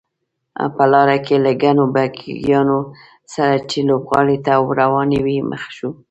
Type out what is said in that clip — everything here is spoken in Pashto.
په لاره کې له ګڼو بګیانو سره چې لوبغالي ته روانې وې مخ شوو.